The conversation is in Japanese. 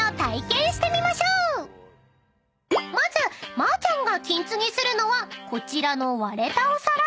［まずまーちゃんが金継ぎするのはこちらの割れたお皿］